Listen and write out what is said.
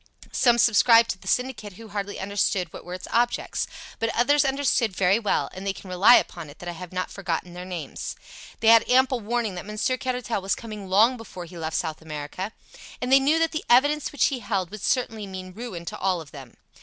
Some subscribed to the syndicate who hardly understood what were its objects. But others understood very well, and they can rely upon it that I have not forgotten their names. They had ample warning that Monsieur Caratal was coming long before he left South America, and they knew that the evidence which he held would certainly mean ruin to all of them.